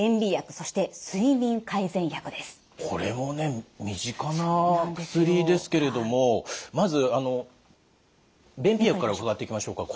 これもね身近な薬ですけれどもまず便秘薬から伺っていきましょうか。